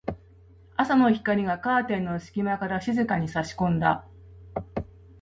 朝の光がカーテンの隙間から静かに差し込んだ。